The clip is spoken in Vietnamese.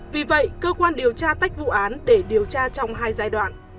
vì vậy cơ quan điều tra tách vụ án để điều tra trong hai giai đoạn